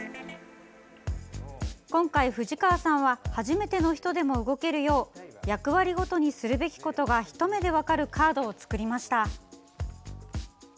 今回、藤川さんは初めての人でも動けるよう役割ごとにするべきことが一目で分かるカードを作りました。